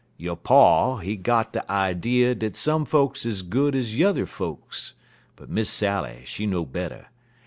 Yo' pa, he got de idee dat some folks is good ez yuther folks; but Miss Sally, she know better.